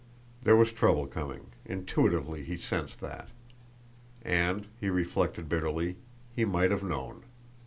There was trouble coming, intuitively he sensed that; and, he reflected bitterly, he might have known!